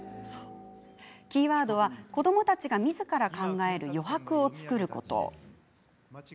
キーワードは子どもたちがみずから考える余白を作ること。